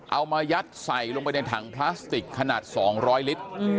เอามายัดใส่ลงไปในถังพลาสติกขนาด๒๐๐ลิตร